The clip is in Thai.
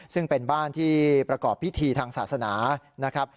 ซึ่งเป็นบ้านที่ประกอบพิธีทางศาสนานะครับ